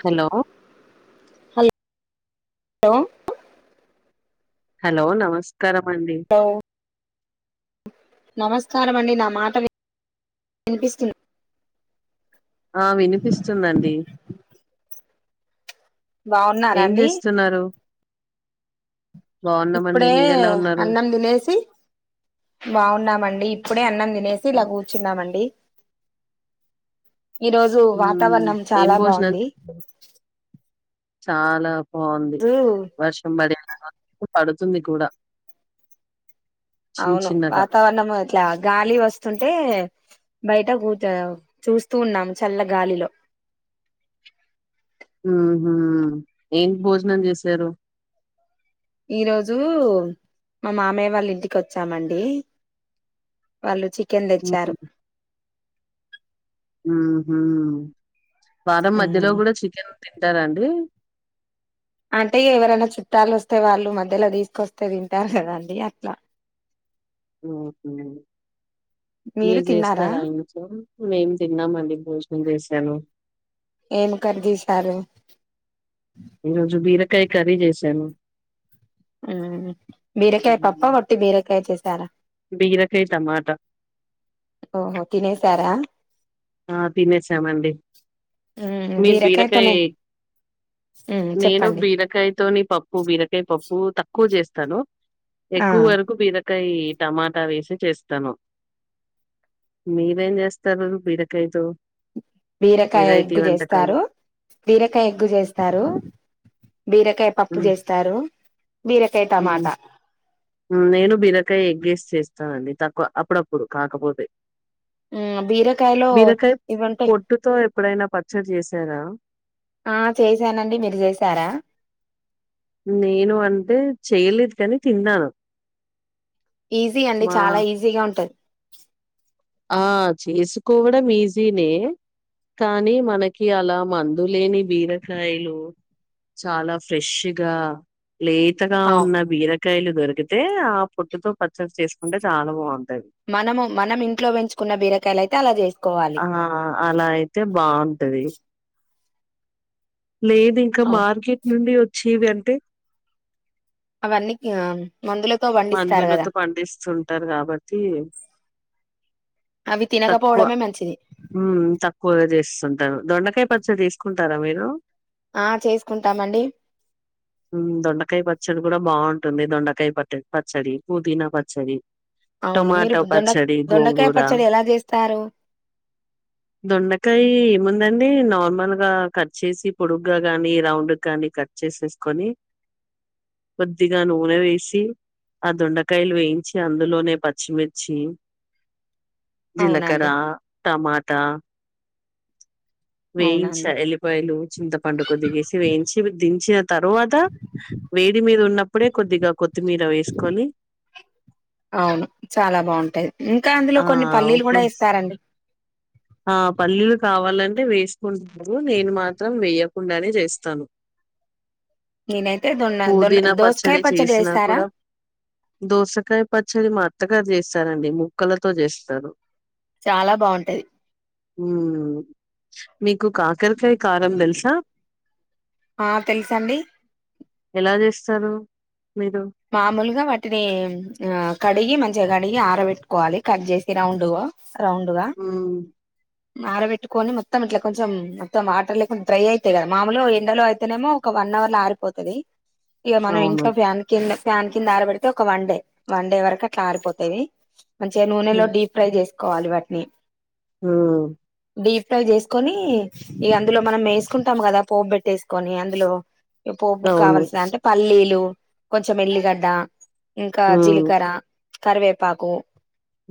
Hollow hello hello నమస్కారమండి నమస్కారమండి నా మాట విన వినిపిస్తుందా ఆ వినిపిస్తుందండి ఏం బాగున్నారాఅండి చేస్తున్నారు బాగున్నామండి ఇప్పుడే మీరెలా ఉన్నారు అన్నం తినేసి బావున్నామండి ఇప్పుడే అన్నం లేసి ఇలా కూర్చున్నామండి ఈ రోజు హు వాతావరణం ఏం చాలా భోజనాలు బాగుంది తిన్నారు చాలా బావుంది రోజు వర్షం బడినకా ఆల్ [unintelligible] పడుతుంది కూడా చిన్న అవును చిన్నగా వాతావరణము ఇట్లా గాలి వస్తుంటే బయట గుచ్చావ్ చూస్తూ ఉన్నాము చల్ల గాలిలో ఉహు ఏం భోజనం చేసారు ఈరోజు మా మామయ్య వాళ్ళింటికి వచ్చామండి వాళ్ళు చే ఆహా వారం మధ్యలో కూడా చికెను తింటారండి అంటే ఎవరైనా చుట్టాలు వస్తే వాళ్ళు మధ్యలో తీసుకొస్తే తింటారు కందండి అట్లా హు హు మీరు చేస్తారా ఇంట్లో మేం తిన్నామండి భోజనం చేశాను ఏం కర్రీ తీశారు ఈరోజు బీరకాయ కర్రీ చేసాను ఉమ్ బీరకాయ పప్పా వట్టి బీరకాయ చేసారా. బీరకాయ టమాటా ఓహో తినేసారా ఆ తినేసామండి మ్మ్ మీ బీరకాయ్ బీరకాయతోనే మ్మ్ నేను చెప్పండి బీరకాయతో నీ పప్పు బీరకాయ ప ప్పు తక్కువ చేస్తాను ఆ ఎక్కువ వరకు బీర కాయి టమాటా వేసి చేస్తాను మీరేం చేస్తారు బిర. కాయతో బీరకాయ ఎగ్గు చేస్తారు బీరకాయ ఎగ్గు చేస్తారు. బీరకాయ పప్పు మ్మ్ చేస్తారు బీరకాయ టమాటా ఉమ్ నేను బిరకాయ ఎగ్గేసి చేస్తానండి తక్కువ అప్పుడప్పుడు కాకపోతే. మ్మ్ బీరకాయలో బిరాకాయ ఇవి ఉంటాయి పొట్టుతో ఎప్పుడైనా పచ్చడి చేశారా ఆ చేసానండి మీరు చేసారా. నేను అంటే చెయ్యలేదు కానీ తిన్నాను. ఈజీ అండి మా చాలా ఈజీగా ఉంటది. ఆ చేసుకోవడం ఈజీనే కాని మనకి అలా మందులేని బీరకాయలు చాలా ఫ్రెష్ గా లేతగా అవ్ ఉన్న బీరకాయలు దొరికితే ఆ పొట్టుతో పచ్చడి చేసుకుంటే చాలా బాగుంట మనము మనం ఇంట్లో పెంచుకున్న బీరకాయలు అయితే అలా చేస్. ఆ అలా అయితే బావుంటది. లేదు ఇంకా మార్కెట్ నుండి వచ్చేవి అంటే అవన్నీ ఆ మందులతో పండిస్తారు కదా మందులతో పండిస్తుంటారు కాబట్టి అవి తినకపోవడమే మంచిది. ఉమ్ తక్కువగా చేస్తుంటాను దొండకాయ పచ్చ తీసుకుంటారా మీరు ఆ చేసుకుంటామండి ఉమ్ దొండకాయ పచ్చడి కూడా బాగు టుంది దొండకాయ పట్ట పచ్చడి పుదీనా పచ్చడి. అవును మీరు టమాటో దొండ పచ్చడి దొండకాయ గోంగుర పచ్చడి ఎలా చేస్తారు దొండకాయ ఏముందండి నార్మల్ గా కట్ చేసి పొడుగగా గానీ రౌండ్ గానీ కట్ చేసేసుకొని కొద్దిగా నూనె వేసి ఆ దొండకాయలు వేయించి అందులోనే పచ్చిమిర్చి. జీలకర అవునండి టమాటా. వేయించ అవునండి ఎల్లిపాయలు చింతపండు కొద్దిగేసి వేయించి దించిన తరువాత. వేడి మీద ఉన్నప్పుడే కొద్దిగా కొత్తిమీర వేసుకొని అవును చాలా బావున్ ఇంకా అందులో ఆ కొన్ని పల్లీలు ఉప్పు కూడా యేస్తారండి. అంటే వేసుకుంటారు నేను మాత్రం వేయకుండానే చేస్తాను. నేనైతే దొన్న దొన్న పూదీన దోసకాయ పచ్చడి చేసినా వేస్తారా కూడా దోసకాయ పచ్చడి మా అత్తగారు చేస్తారండి ముక్కలతో చేస్తారు చాలా బాగుంటది మ్మ్ మీకు కాకరకాయ కారం తెలుసా ఆ తెలసండి ఎలా చేస్తారు మీరు మామోలుగా వాటిని ఆ కట్ కడిగి మంచిగా కడిగి ఆరబెట్టుకోవాలి కట్ చేసి రౌండుగా రౌండుగా హ్మ్ అరబెట్టుకొని మొత్తం ఇట్లా కొంచెం మొత్తం వాటర్ లేకుండా డ్రై అయితయ్ కదా మామూలు ఎండలో అయితేనేమో ఒక వన్ వన్ అవర్ ఆరిపోతది ఇగా మనం అవును ఇంట్లో ఫ్యాన్ ఫ్యాన్ కింద ఆరబడితే ఒక వన్ డే వన్ డే వరకు అట్లా ఆరిపోతావి మంచిగా నూనెలో డీ ఫ్రై చేసుకోవాలి వాటిని ఆ డీప్ ఫై చేసుకొని ఇగ అందులో మనం వేసుకుంటాం కదా పోపుబెట్టెసుకొని అందులో పోపుకు అవును కావాల్సిన అంటే పల్లీలు కొంచెం ఎల్లిగడ్డ ఇంకా హ్మ్ జీలకర్ర కరివేపాకు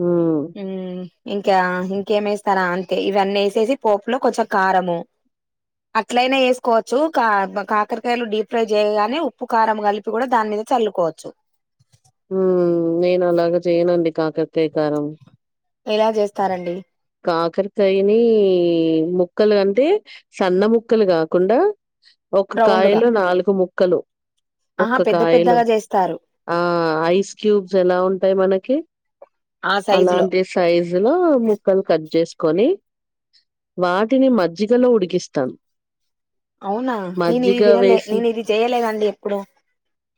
హ్మ్ మ్మ్ ఇంకా ఇంకేమి వేస్తారా అంతే ఇవన్నీ వేసేసి పోపులో కొంచెం కారము అట్లయినా వేసుకోవచ్చు కా కాకరకాయలు డీప్ ఫ్రై చేయగానే ఉప్పు కారం కలిపి కూడా దాని మీద చల్లుకోవచ్చు మ్మ్ నేను అలాగ చేయనండి కాకరకాయ కారం ఎలా చేస్తారండి కాకరకాయని ముక్కలు అంటే సన్న ముక్కలు కాకుండా ఒక్క రౌండ్గా కాయలో నాలుగు ముక్కలు ఆహా ఒక్క పెద్ద కాయలో పెద్దగా చేస్తారు ఆ ఐస్ క్యూబ్స్ ఎలా ఉంటాయి మనకి ఆ సైజు లో అలాంటి సైజు లో ము కట్ చేసుకొని వాటిని మజ్జిగలో ఉడికిస్తాం అవునా నేను ఇది వినలే వేసి నేను ఇది చేయలేదండి ఎప్పుడు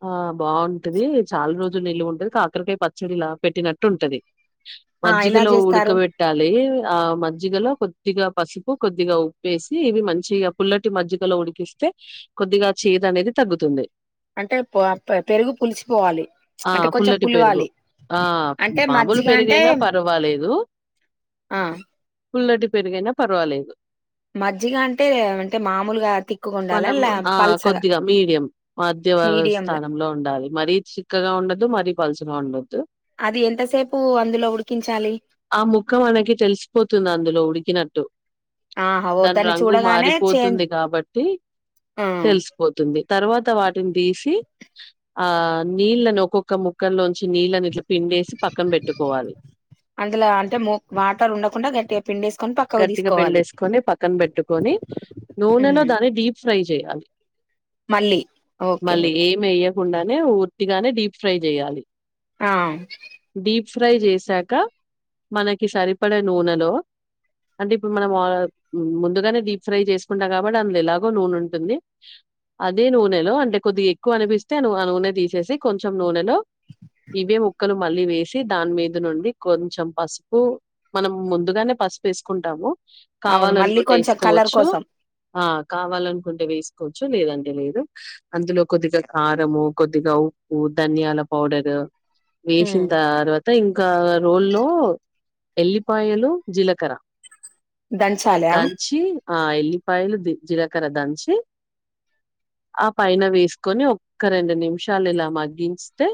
ఆ బాగుంటది చాలా రోజులు నిలువ ఉంటది కాకరకాయ పచ్చడిలా పెట్టినట్టు ఉంటది ఆ ఎలా మజ్జిగలో చేస్తారు ఉడుకవెట్ ఆ మజ్జిగలో కొద్దిగా పసుపు కొద్దిగా ఉప్పేసి ఇవి మంచిగా పుల్లటి మజ్జిగ లో ఉడికిస్తే కొద్దిగా చేదు అనేది తగ్గుతుంది అంటే పెరుగు పులిసీపోవాలి ఆ! అంటే కొంచెం పుల్లటి పెరుగు. పులవాలి ఆ అంటే మామూలు మజ్జిగ అంటే పెరుగైనా పర్వాలేదు ఆ పుల్లటి పెరుగైనా పర్వాలేదు మజ్జిగ అంటే అంటే మామూలుగా తిక్కుగా మనం ఉండాలా ఆ పల్సగా కొద్దిగా మీడియం మధ్య మీడియంలా స్థానంలో ఉండాలి మరీ చిక్కగా ఉండద్దు మరీ పలుచగా ఉండద్దు అది ఎంతసేపు అందులో ఉడికించాలి ఆ ముక్క మనకి తెలిసిపోతుంది అందులో ఉడికినట్టు ఆహా దాని వద్దని రంగు చూడగానే చే మారిపోతుంది కాబట్టి ఆ, తెలిసిపోతుంది తర్వాత వాట్ తీసి ఆ నీళ్ళని ఒక్కొక్క ముక్కలో ంచి నీళ్ని ఇట్లా పిండేసి పక్కన పెట్టుకోవాలి అందులో అంటే వాటర్ ఉండకుండా గట్టిగా పిండేసుకొని పక్కకు గట్టిగా తీసుకోవాలి పిండేసుకొని పక్కన పెట్టుకొని నూనెలో ఉమ్, దాన్ని డీప్ ఫ్రై చేయాలి మళ్ళీ ఓకే ఓకే తకుండానే ఉర్తిగానే డీప్ ఫ్రై చేయాలి ఆ డీప్ ఫ్రై చేశాక మనకి సరిపడే నూనెలో అంటే ఇప్పుడు మనం ముందుగానే డీప్ ఫ్రై చేసుకుంటాం కాబట్టి అందులో ఎలాగో నూనె ఉంటుంది అదే నూనెలో అంటే కొద్దిగా ఎక్కువ అనిపిస్తే ఆ నూనె తీసేసి కొంచెం నూనెలో ఇవే ముక్కలు మళ్ళీ వేసి దానిమీద నుండి కొంచెం పసుపు మనం ముందుగానే పసుపు వేసుకుంటాము అవును మళ్ళీ కావాలనుకుంటే కొంచెం కలర్ వేసుకోవచ్చు కోసం ఆ కావాలనుకుంటే వేసుకోవచ్చు లేదండి లేదు అందులో కొద్దిగా కారము కొద్దిగా ఊ ధనియాల పౌడరు వేసిన తర్వాత ఇంకా రోల్లో ఎల్లిపాయలు జీలక కర దంచాలియా ఆ ఎల్లిపాయలు ది జీలకర్ర దంచి ఆ పైన వేసుకొని ఒక్క రెండు నిమిషాలు ఇలా మగ్గించే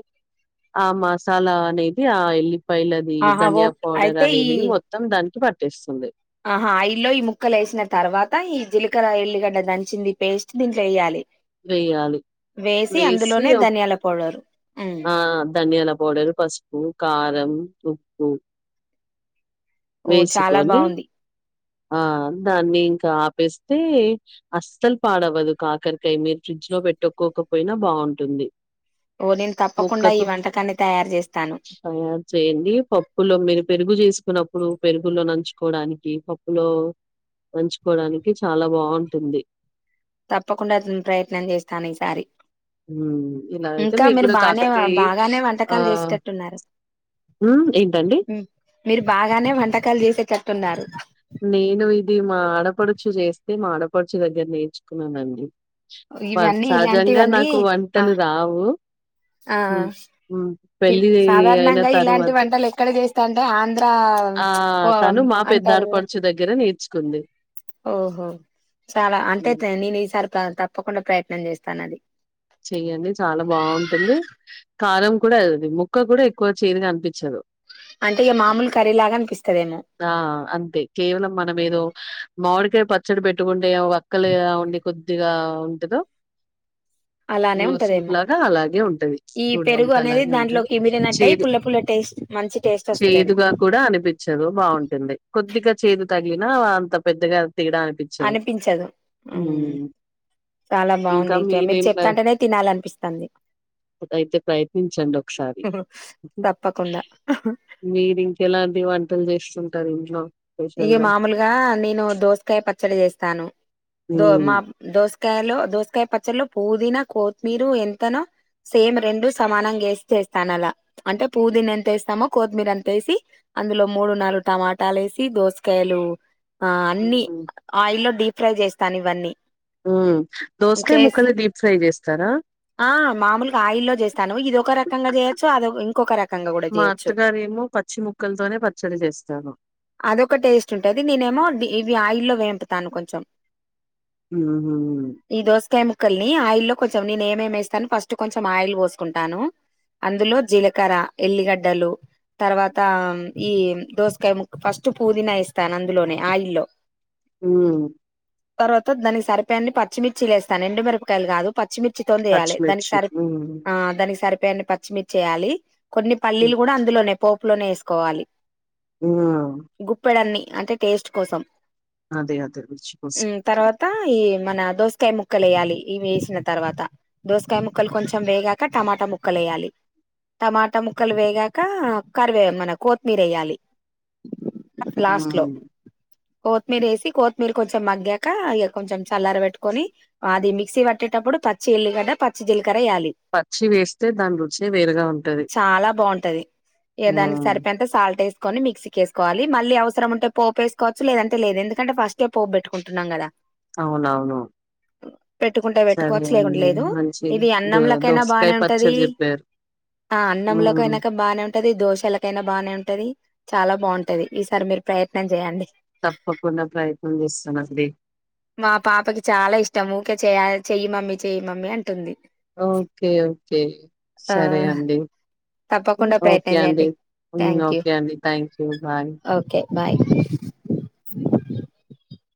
ఆ మసాలా అనేది ఆ ఇల్ పైలది ఆహా ధనియా ఓకే పౌడర్ అయితే ఈ అనేది మొత్తం దానికి పట్టిస్తుంది ఆహా ఇఆయిల్లో ఈ ముక్కలు వేసిన తర్వాత ఈ జీలకర ఇల్లిగడ్డ దంచింది పేస్ట్ దీంట్లో వేయాలి వేయాలి వేసి అందులోనే ధనియాల పౌడరు ఉమ్ ఆ ధనియాల పౌడరు పసుపు కారం ఉప్పు ఓ చాలా వేసుకొని బాగుంది ఆ దాన్ని ఇంకాపేస్తే అస్సలు పాడవ్వదు కాకరి అ మీరు ఫ్రిడ్జ్ లో పెట్టుక్కోకపోయినా బాగుంటుంది ఓ నేను తప్పకుండా ఈ ముక్కతో వంటకాన్ని తయారు చేస్తాను తయారు చేయండి పప్పులో మీరు పెరుగు చేసుకున్నప్పుడు పెరుగుల్లో నంచుకోవడానికి పప్పులో నంచుకోవడానికి చాలా బాగుంటుంది తప్పకుండా ప్రయత్నం చేస్తాను ఈసారి మ్మ్ ఇలా అయితే ఇంకా మీకు మీరు కూడా బాగానే కాకరకాయ బాగానే ఆ వంటకాలు చేసేటట్టున్నారు మ్మ్ ఏంటండి మీరు బాగానే వంటకాలు చేసేటట్టున్నారు నేను ఇది మా ఆడపడుచు చేస్తే మా ఆడపడుచు దగ్గర నేర్చుకున్నానండి ఇవన్నీ సహజంగా ఇలాంటివన్నీ నాకు ఆ వంటలు రావు ఆ ఉ ఉ పెళ్ళి అయిన సాధారణంగా ఇలాంటి తరువాతే వంటలు ఎక్కడ చేస్తా అంటే ఆంధ్ర ఆ ఓ తను మా అంటారు పెద్దడు కదా ఓహో చాలా హ్మ్. అంతైతే నేను ఈసారి తప్పకుండా ప్రయత్న నేను చేస్తాను అది చెయ్యడి చాలా బాగుంటుంది కారం కూడా అది ముక్క కూడా ఎక్కువ చేయదుగా అనిపించదు అంటే ఈ మామూలు కర్రీ లాగనిపిస్తది ఆ అంతే కేవలం మనం ఏదో మామిడికాయ పచ్చడి పెట్టుకుంటే అ ఒక్కలుగా ఉండి కొద్దిగా ఉంటదో అలానే రోజు సూప్ ఉంటదేమో లాగా అలాగే ఉంటది ఈ చూడా పెరుగు డానికి అనేది అలాగే ఉంటది దాంట్లోకి ఇమిడినట్టు అయి చేదు పుల్ల పుల్ల టేస్ట్ మంచి టేస్ట్ వస్తదేమో చేదుగా కూడా అనిపించదు రో బాగుంటుంది కొద్దిగా చేదు తగిలిన అంత పెద్దగా తేడా అనిపించదు ఉ చాలా బాగుంది చే మీరు చెప్తుంటేనే తినాలనిపిస్తుంది. అయితే ప్రయత్నించండి ఒకసారి తప్పకుండా మీరు ఇంకెలాంటి వంటలు చేస్తుంటారు ఇంట్లో ఇయో స్పెషల్‌గా? మామూలుగా నేను దోసకాయ పచ్చడి చేస్తాను దో హ్మ్. మా దోస్ దోసకాయలో దోసకాయ పచ్చలో పుదీనా కొత్తిమీరు ఎంతనో సేమ్ రెండు సమానంగా యేస్ చేస్తాను అలా, అంటే పుదీన ఎంత వేస్తామో కొత్తిమీర అంత యేసి అందులో మూడు నాలుగు టమాటాలు యేస్ టి దోసకాయలు ఆ అన్ని హ్మ్ ఆయిల్లో డీ ఫ్రై చేస్తాను ఇవన్నీ. ఉ దోసకాయ చేసి ముక్కలు డీప్ ఫ్రై చేస్తారా ఆ మామూలుగా ఆయిల్లో చేస్తాను ఇదొక రకంగా చేయొచ్చు అదొ ఇంకొక రకంగా కూడా మా చేయొచ్చు. అత్తగారేమో పచ్చి ముక్కలతోనే పచ్చడి చేస్తాను అదొక టేస్ట్ ఉంటాది నినేమో డి ఇవి ఆయిల్లో వేంపుతాను కొంచెం. ఉ హు ఈ దోసకాయ ముక్కల్ని ఆయిల్లో కొంచెం నేను ఏమేమి వేస్తాను ఫస్ట్ కొంచెం ఆయిల్ పోసుకుంటాను, అందులో జీలకర్ర ఎల్లిగడ్డలు తర్వాత ఈ దోసకాయ ము ఫస్ట్ పూదినా యేస్తాను అందులోనే ఆయిల్లో ఉ తర్వాత దానికి సరిపోయెన్ని పచ్చిమిర్చి లేేస్తాను ఎండుమిరపకాయలు కాదు. పచ్చిమిర్చితోను చేయాలి దానికి పచ్చిమిర్చి. సరిప్ హ్మ్. ఆ దానికి సరిపోయెన్ని పచ్చిమిర్చి వేయాలి. కొన్ని పల్లీలు హ్మ్. కూడా అందులోనే పోపులోనే యేస్కోవాలి. హ్మ్. గుప్పెడన్ని అంటే టేస్ట్ కోసం అదే అదే రుచి ఉ కోసం. తర్వాత ఈ మన దోసకాయ ముక్కలు వేయాలి ఇవి వేసిన తర్వాత, దోసకాయ ముక్కలు కొంచెం వేగాక టమాటా ముక్కలు వేయాలి టమాటా ముక్కలు వేగాక కరివే మన కొత్తిమీర వేయాలి. ఉ కొత్తిమిరి వేసి కొత్తిమీర కొంచెం మగ్గాక ఇక కొంచెం చల్లర పెట్టుకొని అది మిక్సీ పట్టేటప్పుడు పచ్చి ఉల్లుగడ్డ పచ్చి జీలకర వేయాలి పచ్చి వేస్తే దాని రుచే వేరుగా ఉంటది. చాలా బాగున్ టది ఇగ దానికి హ్మ్. సరిపోయినంత సాల్ట్ వేసుకొని మిక్ సికి వేస్కోవాలి మళ్ళ అవసరం ఉంటే పోప్ వేసుకోవచ్చు లేదంటే లేదు ఎందుకంటే ఫస్ట్సె పోపు పెట్టుకుంటుంన్నాం కదా. అవునవును పెట్టుకుంటే సరే పెట్టుకోవచ్చు లేకుంటే అండి. లేదు, మంచి ఇది గు అన్నంలక్క అయినా దోసకాయ బానే ఉంటాది పచ్చడి జెప్పారు. ఆ హ్మ్. అన్నంలోకైనా బానే ఉంటది దోశలోకైనా బాగనే ఉంటది. చాలా బాగుంటది ఈ సారి మీరు ప్రయత్నం చేయండి. తప్పకుండా ప్రయత్నం జేస్తానండి. మా పాపకి చాలా ఇష్టం ఊకె చెయ చెయి మమ్మీ చెయ్ మమ్మీ అంటుంది ఓకే ఓకే ఆ సరే అండి ఉ తప్పకుండా ఓకే అండి ప్రయత్నించండి ఉన్ థ్యాంక్ యూ ఓకే అండి థ్యాంక్స్ ఓకే బాయ్